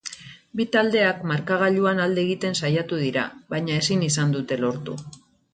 Bi taldeak markagailuan alde egiten saiatu dira, baina ezin izan dute lortu.